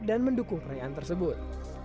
dan mendukung perayaan tersebut